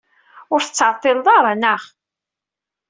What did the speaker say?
Ur tettɛeṭṭileḍ ara, naɣ?